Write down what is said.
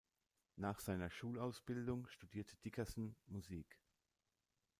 Nach seiner Schulausbildung studierte Dickerson Musik.